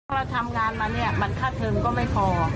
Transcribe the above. พอเราทำงานมาเนี่ยมันค่าเทิมก็ไม่พอ